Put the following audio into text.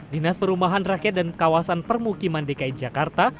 dinas perumahan rakyat dan kawasan permukiman dki jakarta